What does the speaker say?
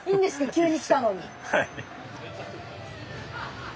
急に来たのに。